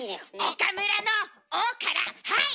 岡村の「お」からはい！